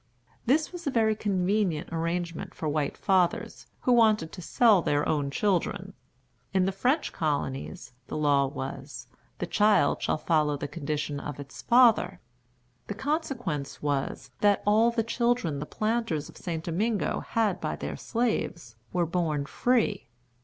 This was a very convenient arrangement for white fathers, who wanted to sell their own children. In the French colonies, the law was, "the child shall follow the condition of its father." The consequence was, that all the children the planters of St. Domingo had by their slaves were born free.